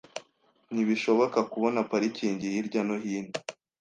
Ntibishoboka kubona parikingi hirya no hino.